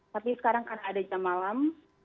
tapi sekarang karena ada jam malam